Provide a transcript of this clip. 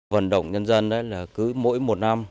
vận động nhân dân là cứ mỗi một năm